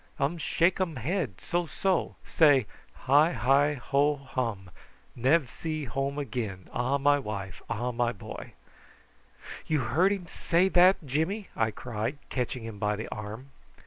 Um shake um head so, so. Say `hi hi ho hum. Nev see home again. Ah, my wife! Ah, my boy!'" "You heard him say that, Jimmy?" I cried, catching him by the arm.